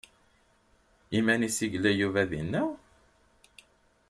Iman-is i yella Yuba dinna?